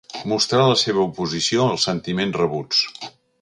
Mostrà la seva oposició als sentiments rebuts.